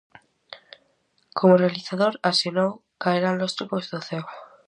Como realizador asinou 'Caerán lóstregos do ceo'.